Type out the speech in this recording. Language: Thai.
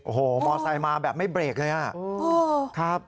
โอ้โหมอสไซม่าแบบไม่เบรกเลย